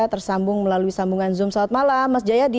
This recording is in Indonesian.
tersambung melalui sambungan zoom selamat malam mas jayadi